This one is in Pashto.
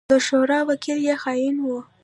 د شورا وکيل يې خائن وو.